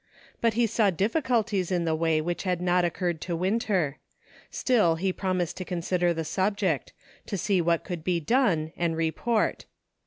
But he saw difficul ties in the way which had not occurred to Winter ; still he promised to consider the subject ; to see what could be done, and report.